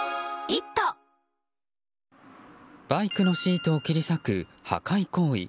バイクのシートを切り裂く破壊行為。